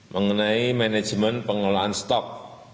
mengenai manajemen pengelolaan stok